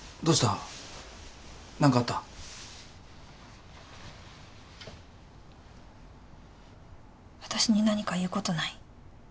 わたしに何か言うことない？